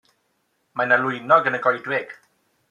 Mae 'na lwynog yn y goedwig.